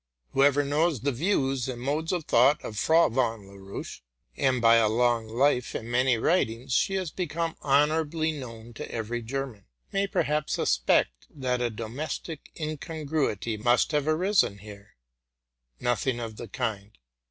Whoever knows the views and mode of thought of Frau yon Laroche, —and, by a long life and many writings, she has RELATING TO MY LIFE. 145 hecome honorably known to every German, — may perhaps suspect that a domestic incongruity must have arisen here. Nothing of the kind.